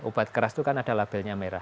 obat keras itu kan ada labelnya merah